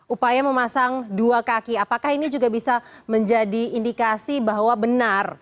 upaya memasang dua kaki apakah ini juga bisa menjadi indikasi bahwa benar